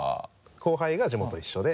後輩が地元一緒で。